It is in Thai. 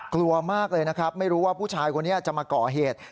กลัวมากเลยนะครับไม่รู้ว่าผู้ชายคนนี้จะมาก่อเหตุ